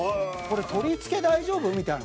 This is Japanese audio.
取り付け大丈夫？みたいな。